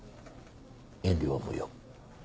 遠慮は無用。